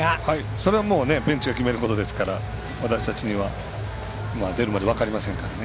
それはベンチが決めることですから私たちには出るまで分かりませんからね。